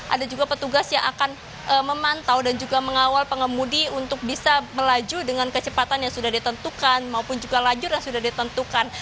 ada juga petugas yang akan memantau dan juga mengawal pengemudi untuk bisa melaju dengan kecepatan yang sudah ditentukan maupun juga lajur yang sudah ditentukan